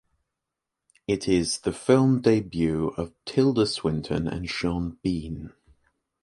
It is the film debut of Tilda Swinton and Sean Bean.